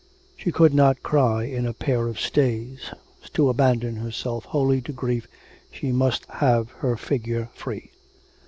She could not cry in a pair of stays. To abandon herself wholly to grief she must have her figure free.